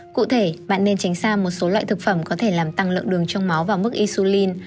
cụ thể bạn nên tránh xa một số loại thực phẩm có thể làm tăng lượng đường trong máu và mức isulin